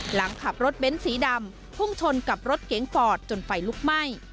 หลังขับรถเบ้นสีดำพุ่งชนกับรถเก๋งฟอร์ดจนไฟลุกไหม้